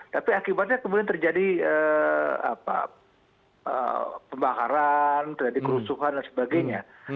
tapi akibatnya kemudian terjadi pembakaran terjadi kerusuhan dan sebagainya